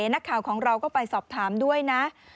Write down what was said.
นักข่าวของเราก็ไปสอบถามด้วยนะ